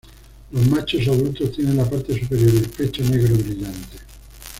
Los machos adultos tienen las partes superiores y el pecho negro brillante.